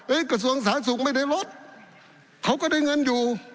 กระทรวงสาธารณสุขไม่ได้ลดเขาก็ได้เงินอยู่